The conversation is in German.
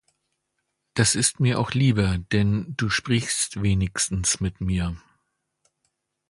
Das ist mir auch lieber, denn du sprichst wenigstens mit mir.